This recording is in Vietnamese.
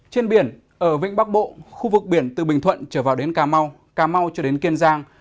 trên biển ở vĩnh bắc bộ khu vực biển từ bình thuận trở vào đến cà mau cà mau cho đến kiên giang